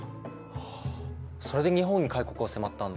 はあそれで日本に開国を迫ったんだ。